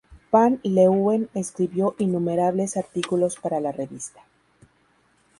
Van Leeuwen escribió innumerables artículos para la revista.